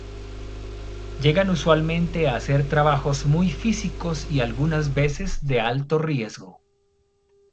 Llegan usualmente a hacer trabajos muy físicos y algunas veces de alto riesgo.